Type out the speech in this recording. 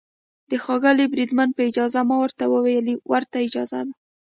د ښاغلي بریدمن په اجازه، ما ورته وویل: ورته اجازه ده.